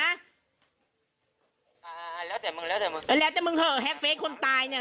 อ่าแล้วแต่มึงแล้วแต่มึงแล้วแต่มึงเหอะแฮ็กเฟสคนตายเนี่ย